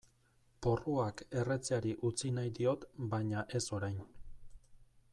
Porruak erretzeari utzi nahi diot baina ez orain.